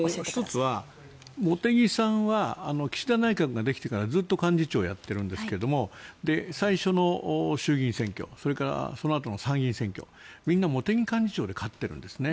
１つは茂木さんは岸田内閣ができてからずっと幹事長をやっているんですが最初の衆議院選挙それからそのあとの参議院選挙みんな茂木幹事長で勝ってるんですね。